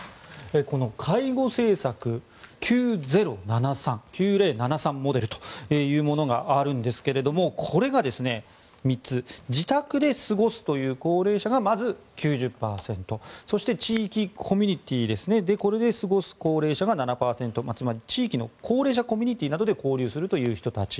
この介護政策９０７３モデルというものがあるんですがこれが３つ自宅で過ごすという高齢者がまず９０％そして地域コミュニティーで過ごす高齢者が７％つまり地域の高齢者コミュニティーなどで交流するという人たち。